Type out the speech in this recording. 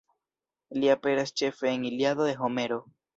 Li aperas ĉefe en Iliado de Homero.